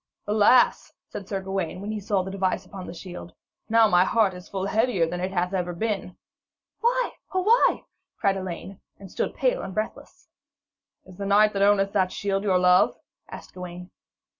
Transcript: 'Alas,' said Sir Gawaine, when he saw the device upon the shield, 'now is my heart full heavier than it hath ever been.' 'Why, oh why?' cried Elaine, and stood pale and breathless. 'Is the knight that owneth that shield your love?' asked Gawaine.